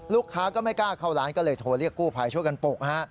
ลูกค้าก็ไม่กล้าเข้าร้านก็เลยโทรเรียกกู้ภัยช่วยกันปลูกฮะ